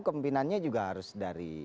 kepimpinannya juga harus dari